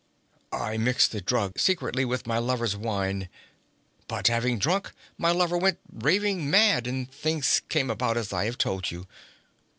I mixed the drug secretly with my lover's wine. But having drunk, my lover went raving mad and things came about as I have told you.